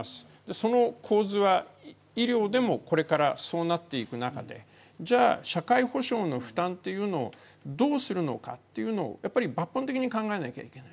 その構図は医療でもこれからそうなっていく中でじゃあ社会保障の負担というのをどうするのかというのを抜本的に考えなきゃいけない。